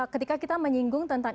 ketika kita menyinggung tentang